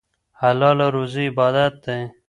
حلاله روزي عبادت دی.